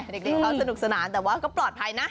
เด็กเขาสนุกสนานแต่ว่าก็ปลอดภัยนะ